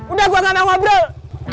udah gua gak mau ngobrol